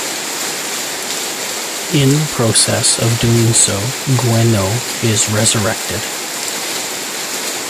In the process of doing so, Gwenno is resurrected.